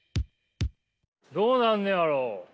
どうなんねやろう？